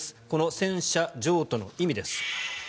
この戦車譲渡の意味です。